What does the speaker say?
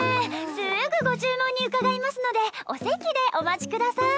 すぐご注文に伺いますのでお席でお待ちください。